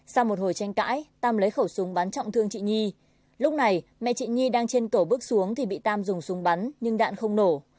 sau một hồi tranh cãi tam lấy khẩu súng bắn trọng thương chị nhi lúc này mẹ chị nhi đang trên cầu bước xuống thì bị tam dùng súng bắn nhưng đạn không nổ